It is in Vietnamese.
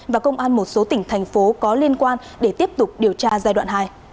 và công an một số tỉnh thành phố có liên quan để tiếp tục điều tra giai đoạn hai